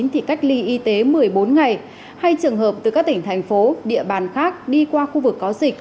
thì cách ly y tế một mươi bốn ngày hay trường hợp từ các tỉnh thành phố địa bàn khác đi qua khu vực có dịch